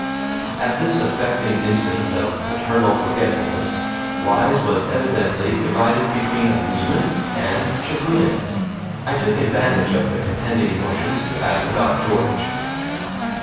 At this affecting instance of paternal forgetfulness, Wise was evidently divided between amusement and chagrin. I took advantage of the contending emotions to ask about George.